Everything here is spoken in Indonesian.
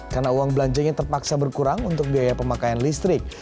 karena uang belanjanya terpaksa berkurang untuk biaya pemakaian listrik